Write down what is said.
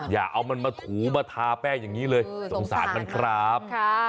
อย่าเอามันมาถูมาทาแป้งอย่างนี้เลยสงสารมันครับ